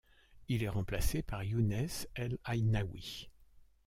Il est remplacé par Younès El Aynaoui.